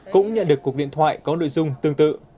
cũng nhận được cuộc điện thoại có nội dung tương tự